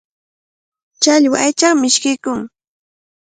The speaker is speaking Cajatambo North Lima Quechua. Challwa aychaqa mishkiykunmi.